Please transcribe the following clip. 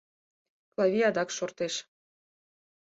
Клавий адак шортеш.